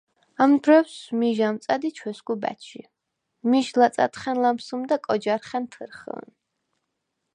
ამ დვრო̈ვს მიჟ ა̈მწა̈დ ი ჩვესგუ ბა̈ჩჟი. მიჟ ლაწა̈დხა̈ნ ლამსჷმდა კოჯა̈რხა̈ნ თჷრხჷნ;